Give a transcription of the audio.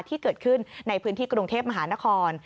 ที่เกิดขึ้นในพื้นที่กรุงเทพมหานคร